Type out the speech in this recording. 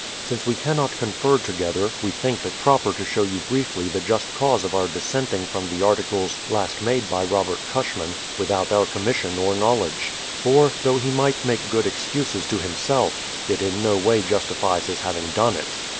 Since we cannot confer together, we think it proper to show you briefly the just cause of our dissenting from the articles last made by Robert Cushman, without our commission or knowledge. For, though he might make good excuses to himself, it in no way justifies his having done it.